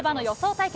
対決